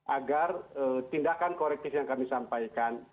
agar tindakan korektif yang kami sampaikan